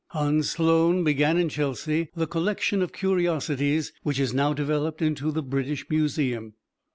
Hans Sloane began in Chelsea the collection of curiosities which has now developed into the British Museum.